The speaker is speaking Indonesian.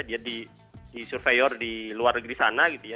dia di surveyor di luar negeri sana gitu ya